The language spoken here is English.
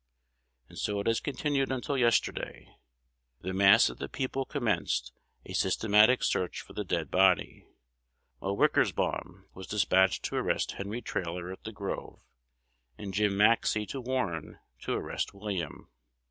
And so it has continued until yesterday. The mass of the people commenced a systematic search for the dead body, while Wickersbam was despatched to arrest Henry Trailor at the Grove, and Jim Maxcy to Warren to arrest William.